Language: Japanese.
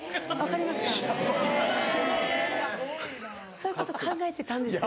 そういうこと考えてたんですよ。